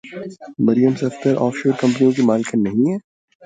مریم Safdar offshore کمپنیوں کی مالکن نہیں ہیں؟